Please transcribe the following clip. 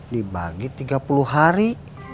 dibagi tiga puluh hari